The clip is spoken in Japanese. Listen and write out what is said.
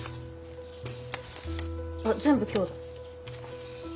あっ全部今日だ。